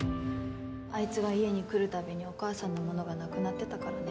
あいつが家に来るたびにお母さんのものがなくなってたからね。